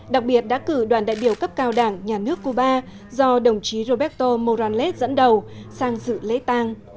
đặc biệt đã cử đoàn đại biểu cấp cao đảng nhà nước cuba do đồng chí roberto moranlet dẫn đầu sang dự lễ tang